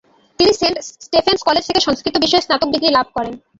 তিনি Saint Stephen's College থেকে সংস্কৃত বিষয়ে স্নাতক ডিগ্রী লাভ করেন।